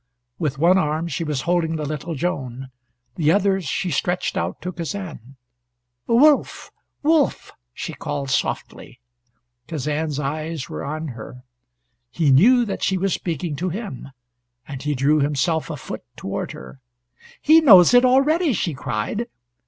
With one arm she was holding the little Joan. The other she stretched out to Kazan. "Wolf! Wolf!" she called softly. Kazan's eyes were on her. He knew that she was speaking to him, and he drew himself a foot toward her. "He knows it already!" she cried.